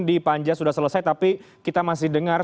di panja sudah selesai tapi kita masih dengar